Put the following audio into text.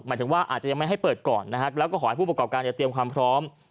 ถึงว่าอาจจะยังไม่ให้เปิดก่อนนะครับแล้วก็ขอให้ผู้ประกอบการเตรียมความพร้อม